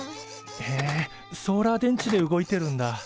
へえソーラー電池で動いてるんだ。